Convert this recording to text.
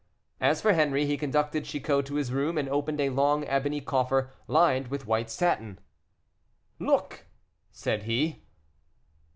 As for Henri, he conducted Chicot to his room, and opened a long ebony coffer lined with white satin. "Look!" said he.